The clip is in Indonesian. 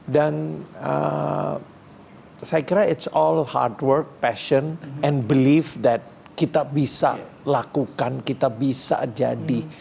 dan saya kira it's all hard work passion and belief that kita bisa lakukan kita bisa jadi